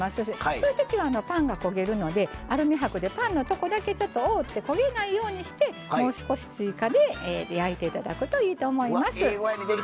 そういうときはパンが焦げるのでアルミはくでパンのところだけ覆って焦げないようにして、もう少し追加で焼いていただくといいと思います。